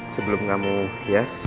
sebelum kamu hias